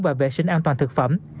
và vệ sinh an toàn thực phẩm